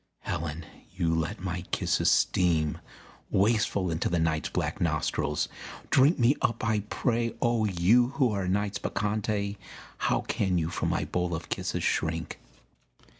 Helen, you let my kisses steam Wasteful into the night's black nostrils; drink Me up I pray; oh you who are Night's Bacchante, How can you from my bowl of kisses shrink!